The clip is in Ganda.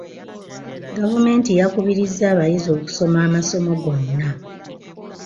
Gavumenti yakubirizza abayizi okusoma amasomo gonna.